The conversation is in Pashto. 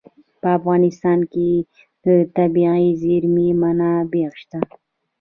په افغانستان کې د طبیعي زیرمې منابع شته.